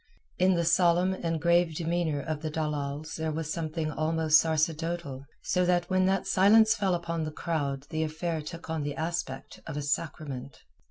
In the solemn and grave demeanour of the dalals there was something almost sacerdotal, so that when that silence fell upon the crowd the affair took on the aspect of a sacrament.